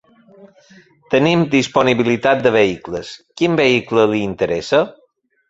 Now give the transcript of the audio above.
Tenim disponibilitat de vehicles, quin vehicle li interessa?